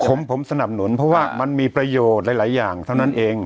ผมสนับสนุนเพราะว่ามันมีประโยชน์หลายอย่างเท่านั้นเอง